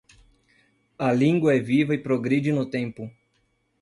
A língua é viva e progride no tempo